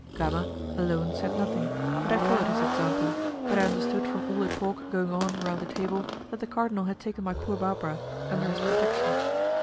Gama alone said nothing, and I followed his example, but I understood from all the talk going on round the table that the cardinal had taken my poor Barbara under his protection.